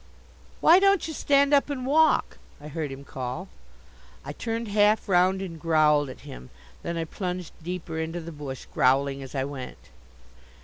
"Why don't you stand up and walk?" I heard him call. I turned half round and growled at him. Then I plunged deeper into the bush, growling as I went.